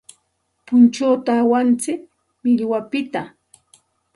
Punchuta awantsik millwapiqta.